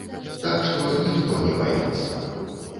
Так што, ніхто не баіцца!